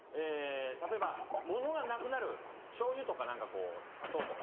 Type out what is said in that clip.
例えばものがなくなるしょうゆとか何か砂糖とか。